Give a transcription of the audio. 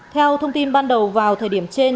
theo thông tin ban đầu vào thời điểm trên